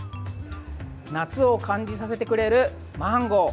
夏を感じさせてくれるマンゴー。